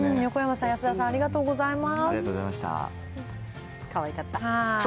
横山さん、安田さん、ありがとうございます。